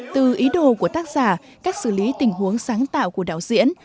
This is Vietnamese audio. từ ý đồ của tác giả cách xử lý tình huống sáng tạo của đạo diễn